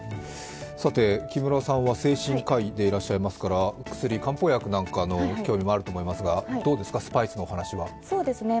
木村さんは精神科医でいらっしゃいますから、薬、漢方薬なんかの興味もあると思いますがどうですか、スパイスのお話は。